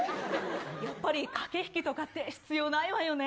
やっぱり駆け引きとかって必要ないわよね。